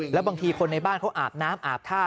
แล้วบางทีคนในบ้านเขาอาบน้ำอาบท่า